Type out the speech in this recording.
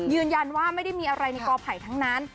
ยืนยันว่าไม่ได้มีอะไรในกอไผ่ทั้งนั้น